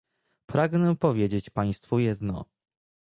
Pragnę powiedzieć państwu jedno